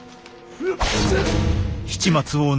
うっ。